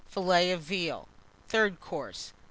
Filet of Veal. Third Course.